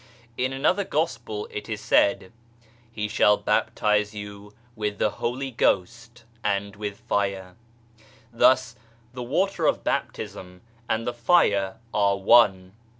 In another Gospel it is said : "He shall baptize you with the Holy Ghost and with fire." 2 Thus the water of Baptism and the fire are one